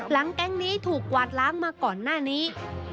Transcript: แก๊งนี้ถูกกวาดล้างมาก่อนหน้านี้